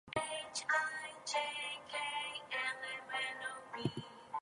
I seem to have misplaced my luggage. Have you seen anything?